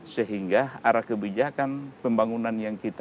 sehingga arah kebijakan pembangunan yang kita